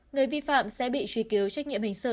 người vi phạm sẽ bị truy cứu trách nhiệm hình sự